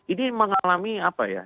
ini mengalami apa ya